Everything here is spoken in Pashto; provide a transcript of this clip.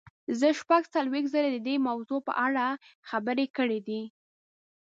زه شپږ څلوېښت ځلې د دې موضوع په اړه خبرې کړې دي.